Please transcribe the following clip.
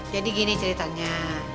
jadi gini ceritanya